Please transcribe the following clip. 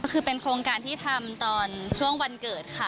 คือเป็นโครงการที่ทำตอนช่วงวันเกิดค่ะ